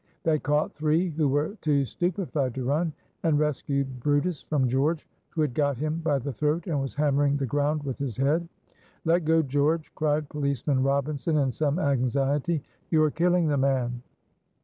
They caught three who were too stupefied to run, and rescued brutus from George, who had got him by the throat and was hammering the ground with his head. "Let go, George," cried Policeman Robinson, in some anxiety, "you are killing the man."